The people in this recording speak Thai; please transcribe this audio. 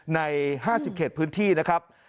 ใน๕๐เขตพื้นที่นะครับ